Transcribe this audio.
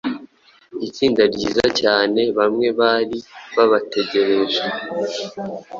Itsinda ryiza cyane bamwe bari babategereje